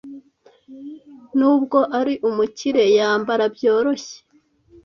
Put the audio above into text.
Nubwo ari umukire, yambara byoroshye.